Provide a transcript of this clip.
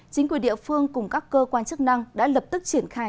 chính quyền địa phương cùng các cơ quan chức năng đã lập tức triển khai